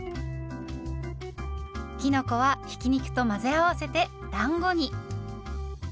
きのこはひき肉と混ぜ合わせてだんごに。